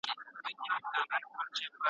هر وخت د الله په یاد کې اوسه.